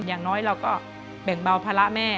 อย่างน้อยเราก็แบ่งเบาภาระแม่